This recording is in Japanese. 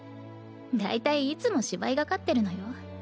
だいたいいつも芝居がかってるのよ。